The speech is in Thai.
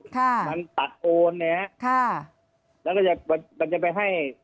ค่ะมันตัดโอนนะฮะค่ะแล้วก็จะมันจะไปให้